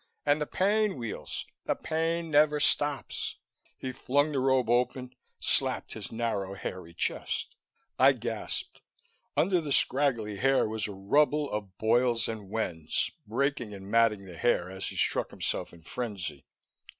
And the pain, Weels, the pain never stops!" He flung the robe open, slapped his narrow, hairy chest. I gasped. Under the scraggly hair was a rubble of boils and wens, breaking and matting the hair as he struck himself in frenzy.